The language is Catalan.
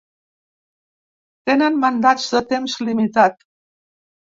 Tenen mandats de temps limitat.